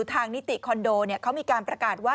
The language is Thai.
นิติคอนโดเขามีการประกาศว่า